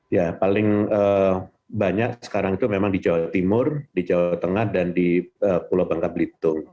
ya paling banyak sekarang itu memang di jawa timur di jawa tengah dan di pulau bangka belitung